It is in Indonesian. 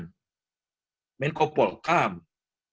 menko polkam menteri perekonomian